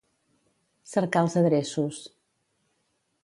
Cercar els adreços.